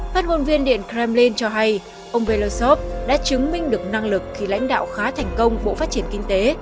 phát ngôn viên điện kremlin cho hay ông belousov đã chứng minh được năng lực khi lãnh đạo khá thành công bộ phát triển kinh tế